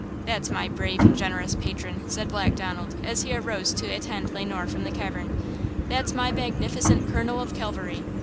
"That's my brave and generous patron!" said Black Donald, as he arose to attend Le Noir from the cavern; "that's my magnificent colonel of cavalry!